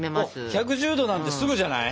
１１０℃なんてすぐじゃない？